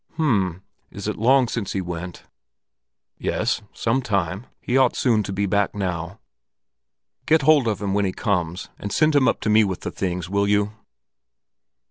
"H'm. Is it long since he went?" "Yes, some time. He ought soon to be back now." "Get hold of him when he comes, and send him up to me with the things, will you?"